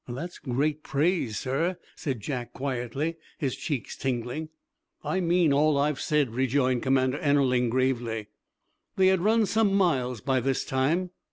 "That's great praise, sir," said Jack, quietly, his cheeks tingling. "I mean all I've said," rejoined Commander Ennerling, gravely. They had run some miles by this time.